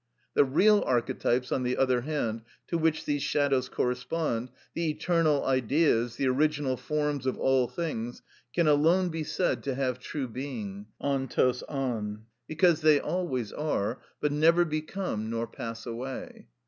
The real archetypes, on the other hand, to which these shadows correspond, the eternal Ideas, the original forms of all things, can alone be said to have true being (οντως ον), because they always are, but never become nor pass away.